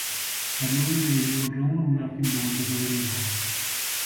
Off the coast the wreck of the George Rennie is visible at low tide.